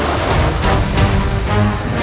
aku akan menangkapmu